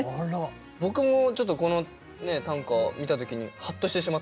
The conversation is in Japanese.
僕もちょっとこの短歌見た時にハッとしてしまったので。